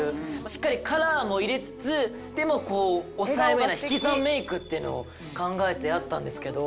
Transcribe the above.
しっかりカラーも入れつつでもこう抑えめな引き算メイクっていうのを考えてやったんですけど。